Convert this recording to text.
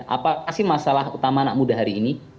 apakah masalah utama anak muda hari ini